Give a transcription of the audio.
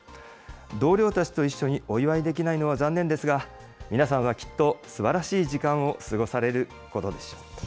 同僚たちと一緒にお祝いできないのは残念ですが、皆さんはきっとすばらしい時間を過ごされることでしょうと。